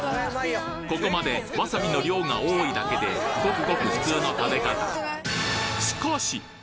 ここまでわさびの量が多いだけでごくごく普通の食べ方